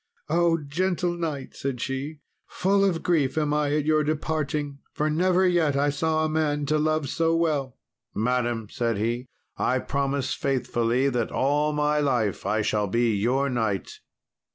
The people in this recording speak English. "O gentle knight," said she, "full of grief am I at your departing, for never yet I saw a man to love so well." "Madam," said he, "I promise faithfully that all my life I shall be your knight."